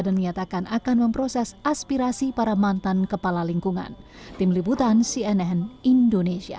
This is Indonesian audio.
dan menyatakan akan memproses aspirasi para mantan kepala lingkungan tim liputan cnn indonesia